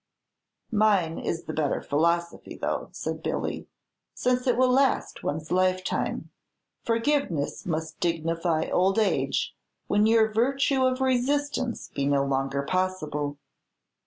"Mine is the better philosophy, though," said Billy, "since it will last one's lifetime. Forgiveness must dignify old age, when your virtue of resistance be no longer possible."